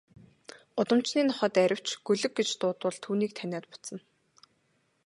Гудамжны нохой дайравч, гөлөг гэж дуудвал түүнийг таниад буцна.